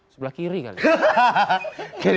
sebelah kiri kali